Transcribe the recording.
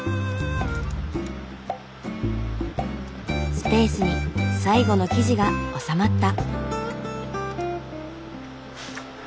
スペースに最後の記事が収まった。